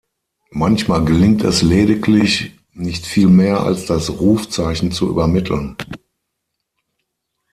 Manchmal gelingt es lediglich, nicht viel mehr als das Rufzeichen zu übermitteln.